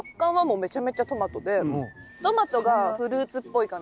食感はトマトがフルーツっぽい感じです。